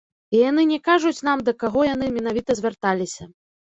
І яны не кажуць нам, да каго яны менавіта звярталіся.